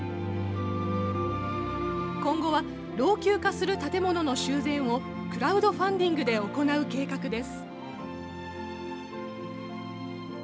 今後は老朽化する建物の修繕を、クラウドファンディングで行う計画です。